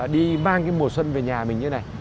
đi mang cái mùa xuân về nhà mình như thế này